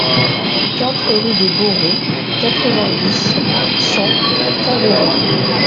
quatre rue de Boron, quatre-vingt-dix, cent, Faverois